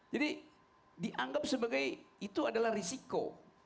jadi dianggap sebagai itu adalah risiko